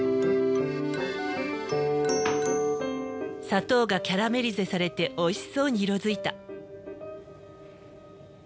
砂糖がキャラメリゼされておいしそうに色づいた。